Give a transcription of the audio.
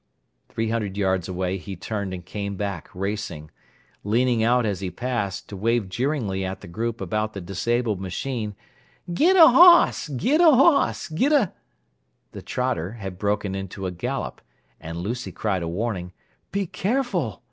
Three hundred yards away he turned and came back, racing; leaning out as he passed, to wave jeeringly at the group about the disabled machine: "Git a hoss! Git a hoss! Git a—" The trotter had broken into a gallop, and Lucy cried a warning: "Be careful!"